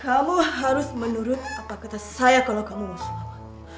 kamu harus menurut apa kata saya kalau kamu musuh